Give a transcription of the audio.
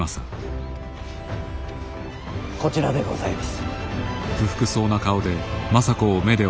こちらでございます。